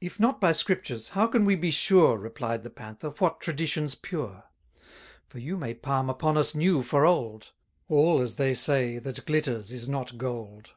If not by Scriptures, how can we be sure, Replied the Panther, what Tradition's pure? For you may palm upon us new for old: All, as they say, that glitters, is not gold.